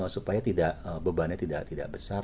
supaya bebannya tidak besar